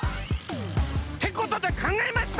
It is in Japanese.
ってことでかんがえました。